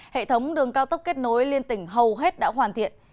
hệ thống đường cao tốc kết nối liên tỉnh hầu hết đã hoàn thiện